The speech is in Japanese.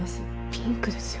ピンクですよ